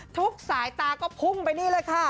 ทุกสายตาก็พุ่งไปนี่เลยค่ะ